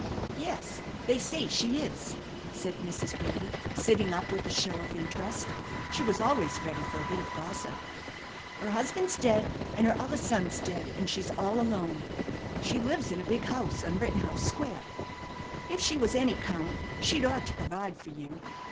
"Yes, they say she is," said Mrs. Brady, sitting up with a show of interest. She was always ready for a bit of gossip. "Her husband's dead, and her other son's dead, and she's all alone. She lives in a big house on Rittenhouse Square. If she was any 'count, she'd ought to provide fer you.